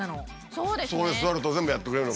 そこに座ると全部やってくれるの？